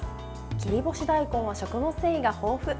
切り干し大根は食物繊維が豊富。